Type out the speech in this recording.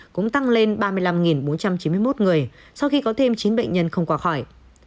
cũng tăng lên ba mươi năm bốn trăm chín mươi một người sau khi có thêm chín bệnh nhân không qua khỏi